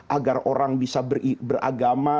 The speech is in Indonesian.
agar orang bisa beragama